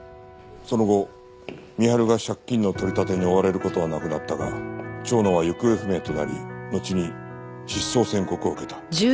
その後美春が借金の取り立てに追われる事はなくなったが蝶野は行方不明となりのちに失踪宣告を受けた。